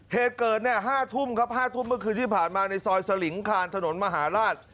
เหตุเกิด๕ทุ่มครับ๕ทุ่มเมื่อคืนที่ผ่านมาในซอยสลิงคานถนนมหาราช